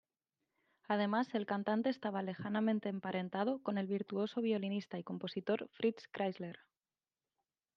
Además, el cantante estaba lejanamente emparentado con el virtuoso violinista y compositor Fritz Kreisler.